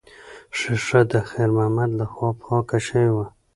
ښیښه د خیر محمد لخوا پاکه شوې وه.